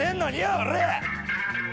俺。